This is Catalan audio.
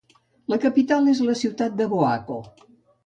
La capital és la ciutat de Boaco.